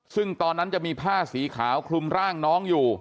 ซึ่งตอนนั้นจะมีผ้าสีขาวคลุมร่างน้องอยู่